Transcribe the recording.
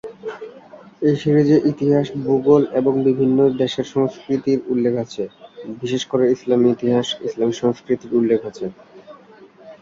এই সিরিজে ইতিহাস, ভূগোল এবং বিভিন্ন দেশের সংস্কৃতির উল্লেখ আছে, বিশেষ করে ইসলামী ইতিহাস, ইসলামী সংস্কৃতির উল্লেখ আছে।